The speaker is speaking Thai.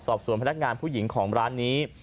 สอบส่วนพนักงานผู้หญิงของร้านนี้